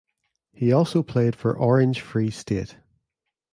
He also played for Orange Free State.